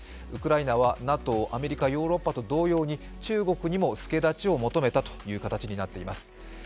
ウクライナはＮＡＴＯ、アメリカとヨーロッパ同様に中国にも助太刀を求めたという形になっています。